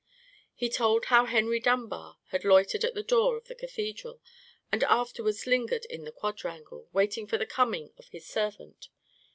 He told how Henry Dunbar had loitered at the door of the cathedral, and afterwards lingered in the quadrangle, waiting for the coming of his servant.